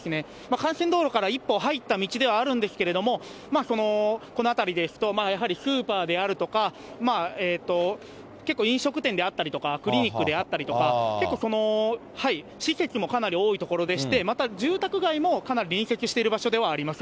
幹線道路から１本入った道ではあるんですけれども、この辺りですと、やはりスーパーであるとか、結構飲食店であったりとか、クリニックであったりとか、結構施設もかなり多い所でして、また住宅街もかなり隣接している場所ではあります。